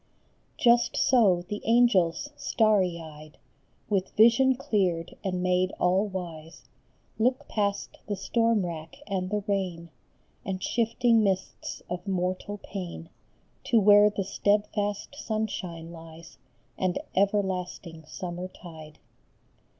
Just so the angels, starry eyed, With vision cleared and made all wise, Look past the storm rack and the rain And shifting mists of mortal pain To where the steadfast sunshine lies, And everlasting summer tide.